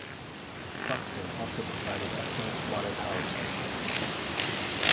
Buxton also provided excellent water power sites.